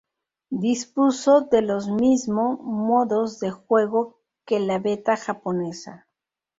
Dispuso de los mismo modos de juego que la beta japonesa.